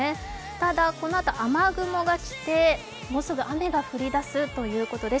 ただこのあと雨雲が来てもうすぐ雨が降りだすということです。